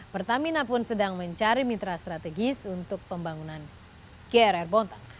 pertamina pun sedang mencari mitra strategis untuk pembangunan grr bontang